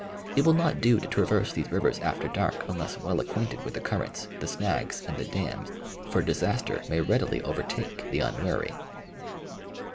It will not do to traverse these rivers after dark unless well acquainted with the currents, the snags, and the dams, for disaster may readily overtake the unwary.